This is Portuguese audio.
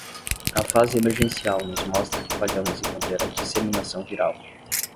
A fase emergencial nos mostra que falhamos em conter a disseminação viral